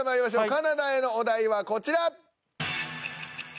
金田へのお題はこちら。